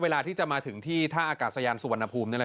เวลาที่จะมาถึงที่ท่าอากาศยานสุวรรณภูมิ